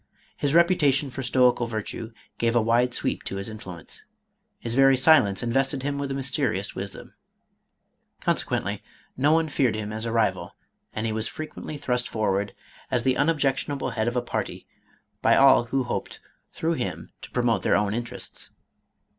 His reputation for stoical virtue gave a wide sweep to his influence. His very silence invested him with a mys terious wisdom. Consequently, no one feared him as a rival, and he was freely thrust forward as the unob jectionable head of a party by all who hoped through him to promote their own interests.